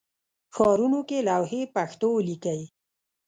ښارونو کې لوحې پښتو ولیکئ